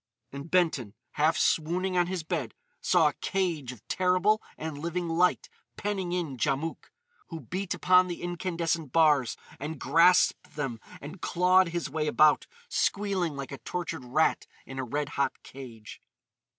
And Benton, half swooning on his bed, saw a cage of terrible and living light penning in Djamouk, who beat upon the incandescent bars and grasped them and clawed his way about, squealing like a tortured rat in a red hot cage.